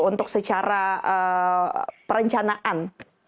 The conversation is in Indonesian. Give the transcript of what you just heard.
untuk secara perencanaan